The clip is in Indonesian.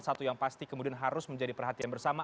satu yang pasti kemudian harus menjadi perhatian bersama